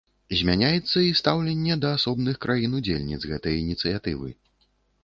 Змяняецца і стаўленне да асобных краін-удзельніц гэтай ініцыятывы.